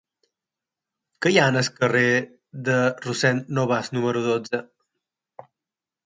Què hi ha al carrer de Rossend Nobas número dotze?